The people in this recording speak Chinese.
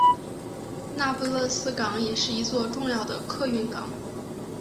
那不勒斯港也是一座重要的客运港。